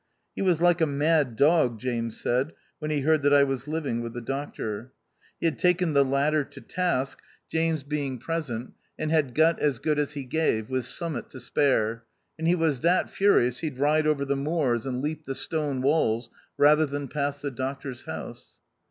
He was like a mad dog, James said, when he heard that I was living with the doctor. He had taken the latter to task, James being pre THE OUTCAST. 149 sent, and " had got as good as he gave, with sommat to spare ; and he was that furious he'd ride over the moors and leap the stone walls rather than pass the doctor's house."